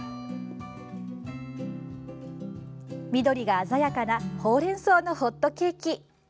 緑が鮮やかなほうれん草のホットケーキ。